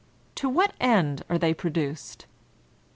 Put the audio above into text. To what end are they pro duced?